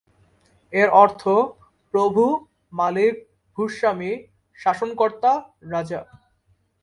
এর অর্থ প্রভু, মালিক, ভূস্বামী, শাসনকর্তা, রাজা।